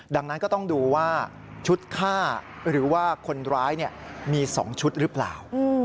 ดังนั้นก็ต้องดูว่าชุดฆ่าหรือว่าคนร้ายมี๒ชุดหรือเปล่า